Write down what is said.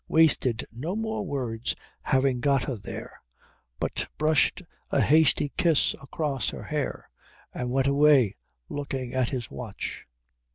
wasted no more words having got her there, but brushed a hasty kiss across her hair and went away looking at his watch.